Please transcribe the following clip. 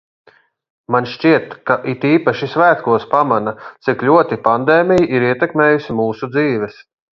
Man šķiet, ka it īpaši svētkos pamana, cik ļoti pandēmija ir ietekmējusi mūsu dzīves.